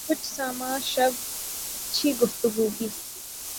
کچھ سامان شب اچھی گفتگو کی